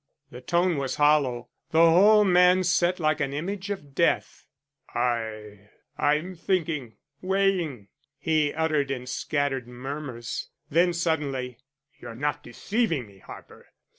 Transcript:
The tone was hollow; the whole man sat like an image of death. "I I'm thinking weighing " he uttered in scattered murmurs. Then suddenly, "You're not deceiving me, Harper.